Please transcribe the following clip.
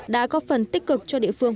đã có phần tích cực cho địa phương